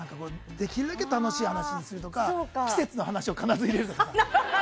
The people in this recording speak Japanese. できるだけ楽しい話にするとか季節の話を必ず入れるとか。